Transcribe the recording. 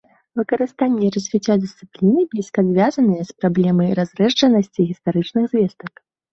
Выкарыстанне і развіццё дысцыпліны блізка звязанае з праблемай разрэджанасці гістарычных звестак.